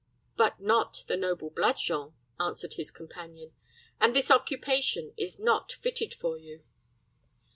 "But not the noble blood, Jean," answered his companion; "and this occupation is not fitted for you."